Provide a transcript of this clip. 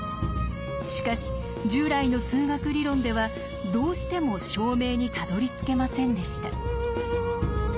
しかし従来の数学理論ではどうしても証明にたどりつけませんでした。